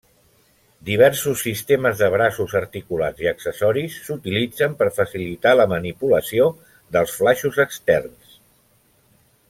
Diversos sistemes de braços articulats i accessoris s'utilitzen per facilitar la manipulació dels flaixos externs.